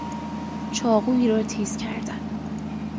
چاقوئی را تیز کردن